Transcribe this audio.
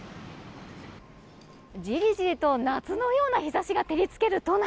じりじりと夏のような日差しが照り付ける都内。